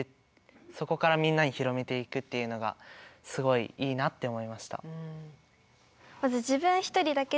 そこからみんなに広めていくっていうのがすごいいいなって思いました。